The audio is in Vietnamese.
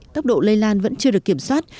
tốc độ lây lan vẫn chưa được kiểm soát